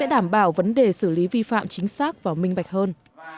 đảm bảo vấn đề xử lý vi phạm chính xác và minh bạch hơn